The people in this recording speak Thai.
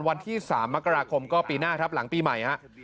วันที่๓มกราคมก็ปีหน้าครับหลังปีใหม่ฮะ